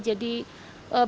jadi besok pagi